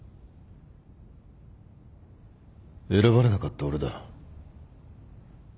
選ばれなかった俺だ。